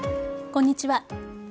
こんにちは。